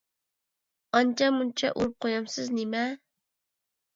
ئانچە-مۇنچە ئۇرۇپ قويامسىز نېمە؟